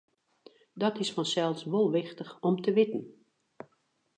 Dat is fansels wol wichtich om te witten.